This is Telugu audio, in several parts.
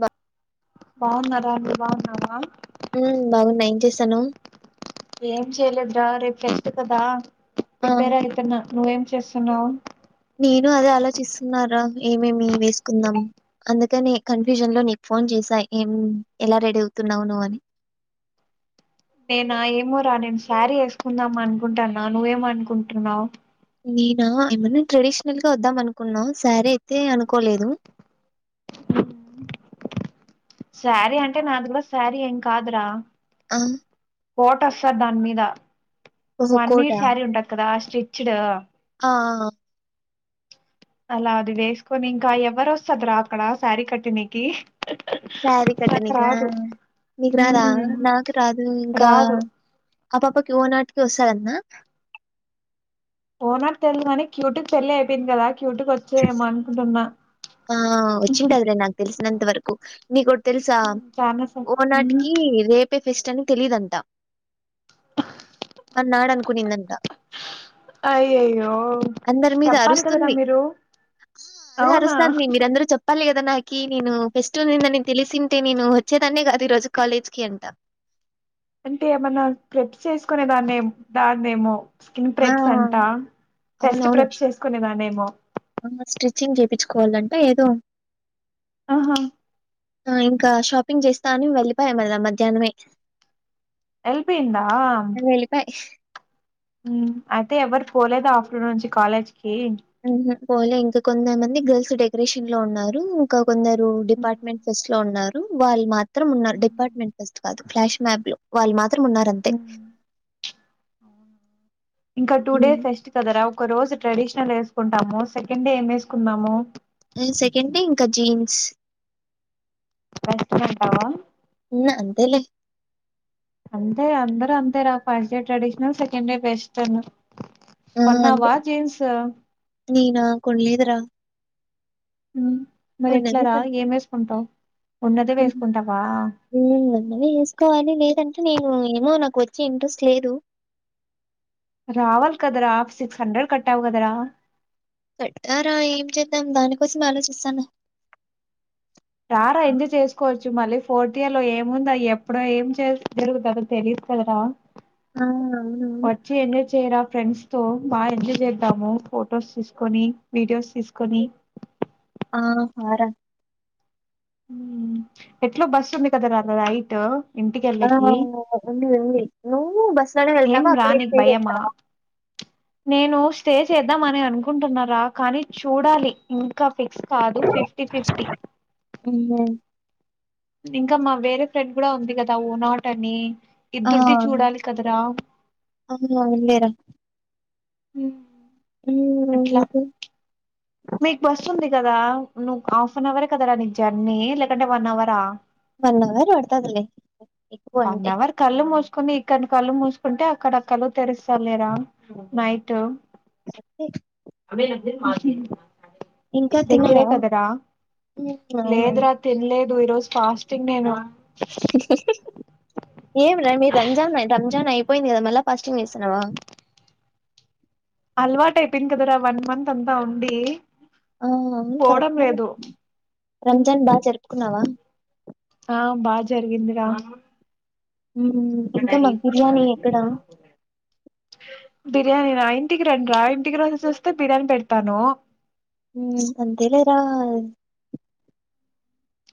బ బౌన్నర మీర్ బౌన్నరా ఉమ్ బాగున్నా ఏం చేస్తున్నావ్ ఏం చేయలేదురా రేపు ఫెస్ట్ కదా ఆ ప్రిపేర్ అయితున్న నువ్వేం చేస్ తిన్నావా నేను అదే ఆలోచిస్తున్నారా ఏమేమి వేసుకుందాం అందుకనే కన్ఫ్యూజన్ లో నీకు ఫోన్ చేసా ఏం ఎలా రెడీ అవుతున్నావు నువ్ అని నేనా ఏమో రా నేను శారీ వేసుకుందాం అనుకుంటాన్నా నువ్వేమ అనుకుంటున్నావు్ నేను ఏమన్నా ట్రెడిషనల్ గా వద్దాం అనుకున్నా సారీ అయితే అనుకోలేదు సారీ అంటే నాది కూడా సారీ ఎం కాదురా ఆ కోట వస్తాది దాని మీద ఓహో! One quota? మీట్ సారీ ఉంట కదా అ రిచ్డ ఆ! ఆ అలా అది వేసుకొని ఇంకా ఎవరు వస్తద్రా అక్కడ శారీ కట్టినికి సారీ నాకు కటనికా రాదు నికు రాదా ఉమ్ నాకు రాదు ఇంకా రాదు అప్పప్పాకి ఓనాట్ కోసన్న పోనత్ తెల్ గనీ క్యూటిక్ పెళ్లి అయిపోయింది కదా క్యూటు గా వచ్చాయేమో అనుకుంటున్నా ఆ వచ్చింటది లే నాకు తెలిసి ఎంత వరకు నీ కొ తెలుసా చానా స ఉమ్ ఓనాటికి రేపు పే ఫెస్ట్ అని తెలిదంట మన్నాడు అనుకునిందంట అయ్యయ్యో అందరి మీద చెప్పాలి కదరా అరుస్తుంది. మీరు అవునా సార్ మీరందరూ చెప్పాలి కద్ తనకి నేను ఫెస్ట్ ఉన్నింది అని తెలిసిన్ టే నేను వచ్చేదాన్నే కాదు ఈ రోజు కాలేజ్ కి అంటా అంటే ఏమన్నా కెప్స్ చేసుకునే దాన్ని దేమో స్కిన్ ఆ! ప్రేప్స్ అంటా ఫెస్ట్ అవునవును. ప్రెప్స్ చేసుకునేదాన్ని ఏమో చ్చిం చేయిించుకోవాలంటే ఏదో ఆహా ఆ ఇంకా షాపింగ్ చేస్తా అని వెళ్ళిపాయా మదా మధ్యాహ్నమే ఎల్లిపోయిందా వెళ్ళిపాయి. మ్మ్ అయితే ఎవరు పోలేదు ఆఫ్టర్నూన్ నుంచి కాలేజ్ కి హ పోలే ఇంకా కొంద మంది గర్ల్స్ ఉ రేషన్ లో ఉన్నారు ఇంకా కొందరు డిపార్ట్మెంట్ ఫెస్ట్ లో ఉన్నారు ఉ వాళ్ళు మాత్ ఇద్దరం ఉన్నారు డిపార్ట్మెంట్ ఫస్ట్ కాదు ఫ్లాష్ మ్యాప్ లో వాళ్ళు మాత్ ఇద్దరం ఉన్నారు అంతే ఉమ్, ఇంకా టూ డేస్ హ్మ్. ఫెస్ట్ కదరావు ఒక రోజు ట్రెడిషనల్ వేసుకుంటాము సెకండ్ డే ఏం వేసుకుందాము సెకండ్ డే ఇంకా జీన్స్ బెస్ట్ అంటవా ఉన్న అంతేలే అంతే అందరు అంతే రా first year traditional second year western ఆ! అంతే. కొన్నావా జీన్స్ నేనా కొనలేదు రా మ్మ్ ఉన్నద స ఉన్నదే వేసుకుంటావా? ఉన్నదిే వేసుకోవాలి లేదంటే నేను ఏమో నాకు వచ్చే ఇంట్రెస్ట్ లేదు రావాలి కదరా సిక్స్ హండ్రెడ్ కట్టావు కదరా అట్టారా ఏం చేద్దాం దానికోసం ఆలోచిస్తాన రారా ఎంజాయ్ చేసుకోవచ్చు మళ్ళీ పోటీయాలో ఏముంద ఎప్పుడో ఏం చే జరుగుతదో తెలీదు కదరా ఆ చేరా ఫ్రెండ్స్ తో బాగా ఎంజాయ్ చేద్దాము ఫొటోస్ తీసుకొని వీడియోస్ తీసుకొని ఆ ఆర ఎట్లో బస్సు ఉంది కదరా నైటు ఆ ఉంది ఉంది నువ్వు బస్ బస్ లోనే ఏం వెళ్తావా రా అక్కడే నీకు స్టే భయమా? చేస్తావా నేను స్టే చేద్దామ అని అనుకుంటున్నారా కానీ చూడాలి ఇంకా ఫిక్స్ కాదు ఫిఫ్టీ ఫిఫ్టీ హ్మ్ ఇంకా మా వేరే ఫ్రెండ్ కూడా ఉంది కదా ఊ నాట అని ఇద్దరుది చూడాలి కదరా అవునవును లేరా హ్మ్ ఏం రా నీకు మీకు బస్సు ఉంది కదా నువ్వు హాఫ్ అన్ అవరే కదరా నీ జర్నీ లేకంటే వన్ అవరా వన్ అవర్ పడతదిలే ఎక్కువ అంటే కొన్ని ఇక్కడి కళ్ళు మూసుకుంటే అక్కడ కళ్లు తెరుస్త లేరా నైటు అమి మహి ఇంకా దగ్గిరే తిన్నవా కదరా హ్మ్ అవునవును లేద్రా తిన్లే ఈ రోజు ఫాస్టింగ్ డే రా ఏం రా రంజాన్ రంజాన్ అయిపోయింది గ మల్లా ఫాస్టింగ్ చేస్తన్నావా అలవాటు అయిపోంది కదరా వన్ మంత్ అంతా ఉండి ఆ అవును పోవడం కరెక్ట్ లేదు రంజాన్ బాగా జరుపుకున్నావా ఆ బా జరిగిందిరా ఇంక మాకు బిర్యానీ ఎక్కడ బిర్యానీ నా ఇంటికి రండి రా ఇంటికి రోజూ చూస్తే బిర్యానీ పెడతాను అంతేలే రా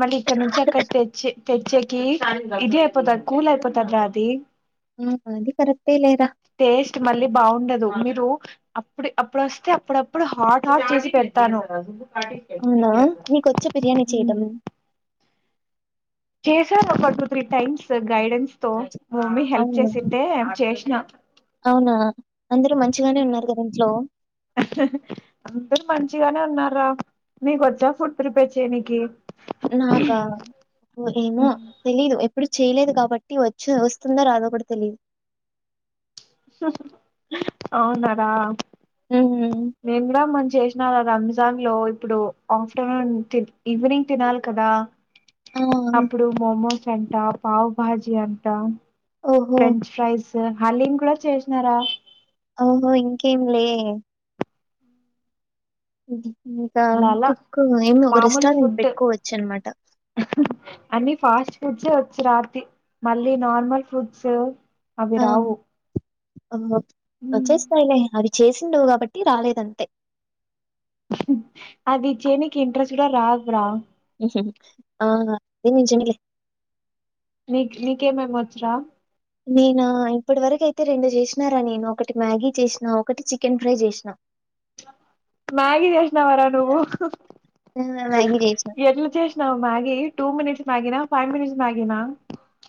మళ్ళీ ఇక్కడి నుంచి అక్కడి తెచ్చి తెచ్చే కి ఇదే అయిపోత కూల్ అయిపోతద్రా అది ఉహు అది కరెక్ట్ టేస్ట్ మళ్ళీ బాగుండదు మీరు అప్పుడ్ అప్పుడు వస్తే అప్పుడప్పుడు హాట్ హాట్ అవునా నీకొచ్చ బిర్యానీ చేయడం చేశాను ఒక టూ త్రీ టైమ్స్ గైడెన్స్ తో మమ్మీ హెల్ప్ అవును చేసింటె చేస్ నా అవునా అందరు మంచిగానే ఉన్నారు గదా ఇంట్లో అందరు మంచిగానే ఉన్నారా నీకు వచ్చా ఫుడ్ ప్రిపేర్ చెయినికి నాకా ఏమో తెలీదు ఎప్పుడు చేయలేదు కాబట్టి వచ్చో వస్తుందో రాదో కూడా తెలిదు అవునార మ్మ్. మేము కూడా మనం చేసినా రమ్ జాన్ లో ఇప్పుడు ఆఫ్టర్నూన్ ఈవినింగ్ తినాలి కదా ఆ, అప్పుడు మోమోస్ అంట పావ్ భాజీ అంట ఓహో ఫ్రెంచ్ ఫ్రైస్ హలీం కూడా చేసినారా ఓహో ఇంకేంలే ఉ ఇంకా అలా అలా కుక్ ఏమి ఒక మామూలు రెస్టారెంట్ ఫుడ్ పెట్టుకోవచ్చు అనమాట అన్ని ఫాస్ట్ ఫుడ్స్ే వచ్చు రాతి మళ్ళీ నార్మల్ ఫుడ్స్ అవి రావు ఆ ఉమ్. వచ్చేస్తాయ్ లే అది చేసిండవు కాబట్టి రాలేదంతే అది చేనికి ఇంట్రెస్ట్ కూడా రాదురా హు హు ఆ అది నిజమే లే మీ మేకేమేమి వచ్చు రా నేనా ఇప్పటి వరకు అయితే రెండు చేసినారా నేను ఒకటి మ్యాగీ చేసినా ఒకటి చికెన్ ఫ్రై చేసినా మ్యాగి చేసినావ రా నువ్వు ఆ! మ్యాగీ జేసినా. ఎట్ల చేసినావు మ్యాగీ టూ మినిట్స్ మ్యాగినా ఫైవ్ మినిట్స్ మ్యాగినా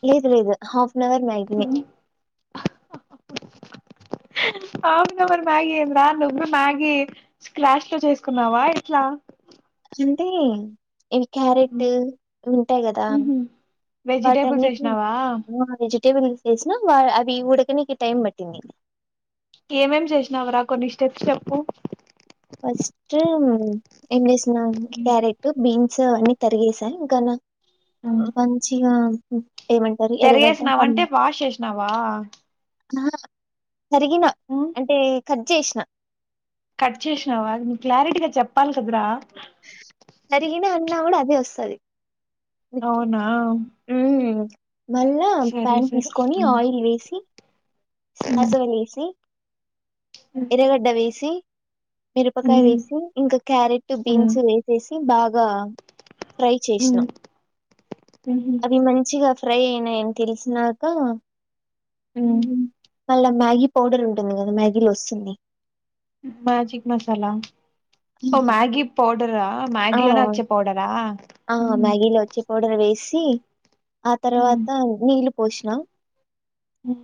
లేదు లేదు హాఫ్ [unintelligible] అవుగా మరి మ్యాగీ ఏందా నువ్వు మ్యాగీ స్క్రాష్ లో చేసుకున్నావా ఎట్లా అంటే ఇవి క్యారెట్ ఉంటాయి కదా ఉహు. వెజిటేబుల్స్ వాటన్నిటిని వేసినావా వెజిట టేబుల్ తీసేసిన అవి ఉడకనికి టైమ్ పట్టింది ఏమేమి చేసినావురా కొన్ని స్టెప్స్ చెప్పు ఫస్ట్ హుమ్ ఏం జేస్ నా క్యారెటు బీన్స్ సో అవన్నీ తరిగేస ఇంకా నా మంచిగా హుమ్ తెరగేసినవంటే వాష్ చేసినావా నా తరిగిన అంటే కట్ జేసినా కట్ చేసినావా నీ క్లారిటీగా చెప్పాలి కదరా తరిగిన అన్ అన్నా కూడా అదే వస్తది అవునా హుమ్ మళ్ళా సరే ప్యాన్ సరే తీసుకొని ఆయిల్ వేసి శాసవేసి ఎరగడ్డ వేసి మిరపకాయ వేసి ఇంకా క్యారెటు బీన్స్ వేసేసి బాగా ఫ్రై చేసినా అవి మంచిగా ఫ్రై అయినాయి అని తెలిసినాక ఉమ్ మళ్ళ మ్యాగీ పౌడర్ ఉంటంది కా మ్యాగీలో వస్తే స్తోంది మ్యాజక్ మసాలా ఓ మ్యాగిీ పౌడరా ఆ మగ్గి లోనే వచ్చే పౌడరా ఆ ఆ మ్యాగి లో వచ్చే పౌడర్ వేసి తి ఆ తర్వాత నీళ్లు పోష్న హుమ్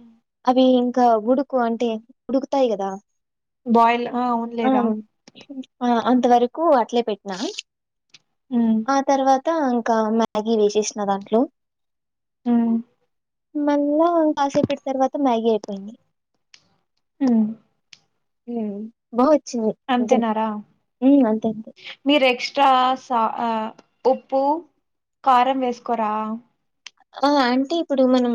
అవి ఇంకా ఉడుకు అంటే ఉడుకుతాయి కదా బాయిల్ అవునులేరా ఆ అంతవరకు అట్లే పెట్ నా ఆ తర్వాత అ ఇంకా మ్యాగీ వేసేసిన దాంట్లో ఆ మళ్ల కాసేపుయ్ల‌ ఇప్పటి తర్వాత మ్యాగీ అయిపోయింది ఆ బహత్ చి నిజం అంతేనారా అంతే అంతే ట్రా ఉప్పు కారం వేసుకోరా ఆ ఆంటీ ఇప్పుడు మనం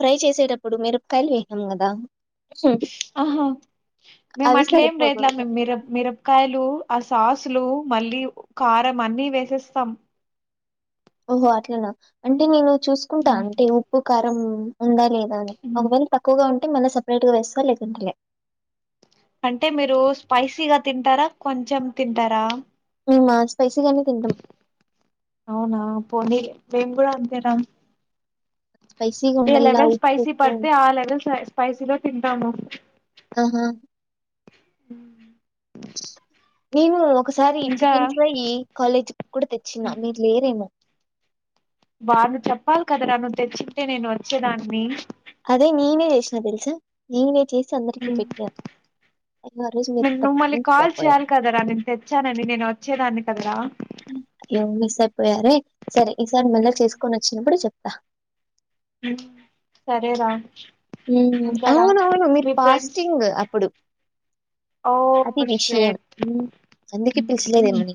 ఫ్రై చేసేటప్పుడు మిరపకాయలు వేసాం కదా ఆహా మేము అవి అట్లేం సరిపోకూడదు రేట్లాిర మిరబ్కాయలు సాసులు మళ్ళీ కారం అన్ని వేసేస్తాం ఓహో అట్లనా అంటే నేను చూసుకుంటా ఉమ్, అంటే ఉప్పు కా ఉందా లేదు అ ఉమ్. ఒక తక్కుగా ఉంట ే మళ్ళీ సపరేట్ గా వేస్త లేకుండలే అంటే మీరు స్పైసీగా తింటారా కొంచెం తింటారా మస్ స్పైసీగాన్న తింటం అవునా పోనీ బెంగురు అంతరాం స్పైసీగా ఏ ఉండల్లా వల్ ఉప్పు స్పాైసి ఎక్కువ పడతే ఆ లేెవెల్ స్పా పైసిలో తింటాము ఆహా ఊ మేము ఒకసారి చికెన్ ఫ్రై కాలేజ్ కూడా తెచ్చిన మీరు లేరేమో వాళ్లు చెప్పాలి కదారా నువ్వు తెచ్చుంటే నేను వచ్చేదాన్ని అదే నీనే చేసిన తెలుసా నినే చేసి హు అందరికి పెట్టిన అయ్యో ఆ రోజు మీరు నువ్వు తప్పు మళ్ళి మిస్ కాల్ అయిపోయారు చేయాలి కదరా నేను తెచ్చానంని నేను వ వచ్చేదాన్ని కదరా అ విసయిపోయారే సర ఈ సారి మళ్ళీ చేసుకొని వచ్చినప్పుడు చెప్ ఆ సరేదా అవునవును మీరు ఫ్రెండ్స్ పాస్టింగ్ అప్పుడు ఓ అది విషయం షట్ అందుక పిలిచలేదేమోని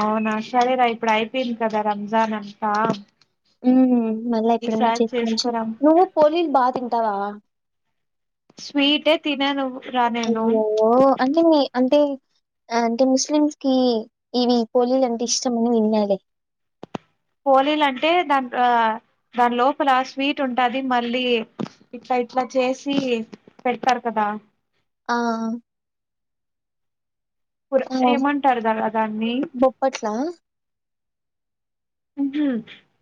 అవునా సరేరా ఇప్పుడు అయిపోయింది కదా రంజాన్ అంతా ఉహు మళ్ళా ఎప్పుడైన్నా ఈసారి చేసుకోవచ్చు చేసుకోరా నువ్వు పోలీలు బాగా తిన్న ఉంటావా స్వీట్ ఏ తినను రా నేను అయ్యో అంటే మీ అంటే అంటే ముస్లిమ్స్ కి ఇవి పోలీలు అంటే ఇష్టమని తిన్నాలే పోలీలు అంటే దాని ఆ దాని లోపల స్వీట్ ఉంటుది మళ్ళీ ఇట్లా ఇట్లా చేసి పెడతారు కదా ఆ పుర ఆ! ఏమంటారు దాన్ని బొప్పట్లా? ఉహు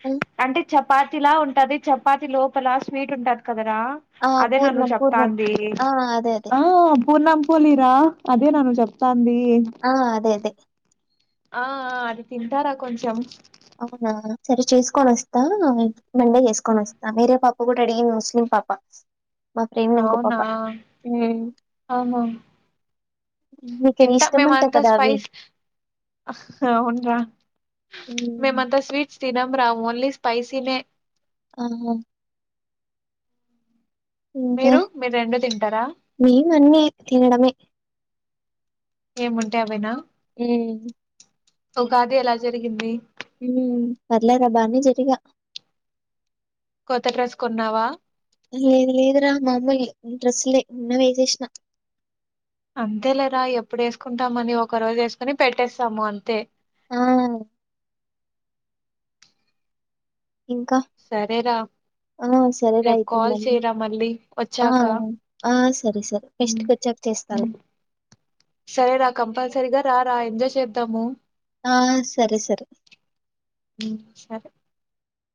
హ్మ్. అంటే చెప్ప చపాతిలా ఉంటది చపాతి లోపల స్వీట్ ఉంటది కదరా ఆ! అదే నువ్వు పూర్ణం, పూర్ణం. చెప్తాంది ఆ! అదే అదే. అహా పూర్ణం పోలిరా అదే నువ్వు చెప్తాంది ఆ! అదే అదే. ఆ అది తింటారా కొంచెం అవునా సరే చేసుకొని వస్తా మండే చేసుకని వస్తా మీరే పాప ఒకటి అడిగింది ముస్లిం పాప మా ఫ్రెండ్ ఇంకో అవునా పాప. హ్మ్. అవునా నీకు తింట మేము ఇష్టమంట అంత కదా అవి. స్పైస్ అవునురా మేమ హ్మ్. అంతా స్వీట్స్ తినం రా ఓన్లీ స్పైసినే ఆహా ఇంకా మీరు మీరు రెండు తింటారా ఏం వండ్లె తినడమే ఏముంటే అవెనా ఉమ్ ఉగాది ఎలా జరిగింది ఉమ్ పర్లేద బానే జెరిగా కొత్త డ్రెస్ కొన్నావా లేదు లేదు రా మామూలు డ్రస్సులే ఉన్నా వేసేసిన అంతే లేరా ఎప్పుడు వేసుకుంటామని ఒక రోజు వేసుకుని పెట్టేస్తాము అంతే ఆ ఇంకా సరేరా ఆ సరే రా రేపు అయితే కాల్ మళ్ళీ చేయరా మళ్ళీ ఆ వచ్చాక ఆ సరే సరే ఫెస్ట్ వచ్చాక చేస్తాలే రా రా ఎజాయ్ చేద్దాము ఆ సరే సరే ఉమ్ సరే